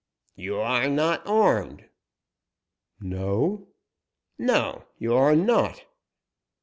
"You are not armed." "No?" "No, you are not."